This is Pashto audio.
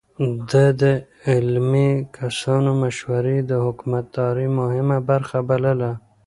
ده د علمي کسانو مشورې د حکومتدارۍ مهمه برخه بلله.